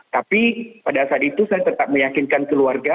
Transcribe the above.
tapi pada saat itu saya tetap meyakinkan keluarga